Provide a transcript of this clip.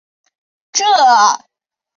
这是皮泽建造的唯一一座铁路车站。